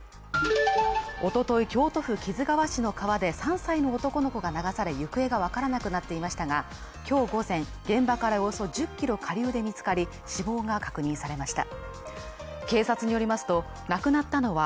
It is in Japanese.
おととい京都府木津川市の川で３歳の男の子が流され行方が分からなくなっていましたが、今日午前、現場からおよそ１０ｋｍ下流で見つかり、死亡が確認されました。